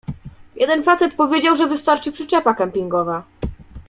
Jeden facet powiedział, że wystarczy przyczepa kempingowa.